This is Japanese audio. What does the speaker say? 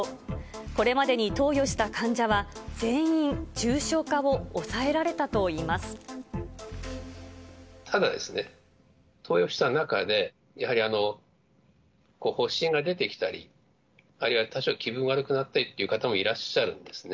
これまでに投与した患者は、全員重症化を抑えられたといいまただですね、投与した中で、やはり発しんが出てきたり、あるいは多少、気分が悪くなったりという方もいらっしゃるんですね。